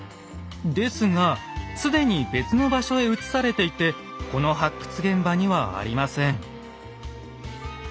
ですが既に別の場所へ移されていてこの発掘現場にはありません。